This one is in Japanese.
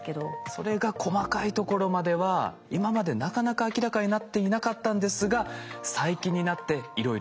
それが細かいところまでは今までなかなか明らかになっていなかったんですが最近になっていろいろ分かりだしたと。